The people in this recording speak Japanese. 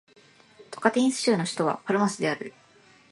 トカンティンス州の州都はパルマスである